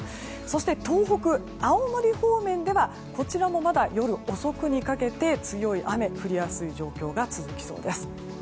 そして東北、青森方面ではこちらもまだ夜遅くにかけて強い雨が降りやすい状況が続きそうです。